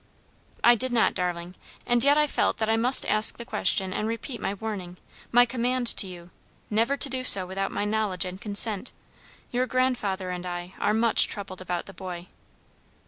"I did not, darling, and yet I felt that I must ask the question and repeat my warning, my command to you never to do so without my knowledge and consent. Your grandfather and I are much troubled about the boy."